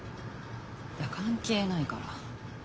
いや関係ないから。